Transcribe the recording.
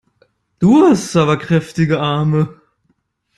Du hast aber kräftige Arme!